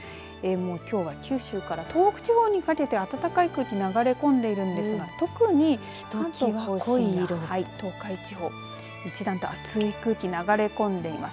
きょうは九州から東北地方にかけて暖かく流れ込んでいるんですが特に東海地方、一段と暑い空気が流れ込んでいます。